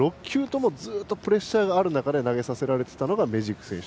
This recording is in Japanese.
すべてずっとプレッシャーがある中で投げさせられていたのがメジーク選手。